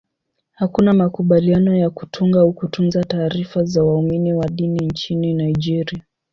Hakuna makubaliano ya kutunga au kutunza taarifa za waumini wa dini nchini Nigeria.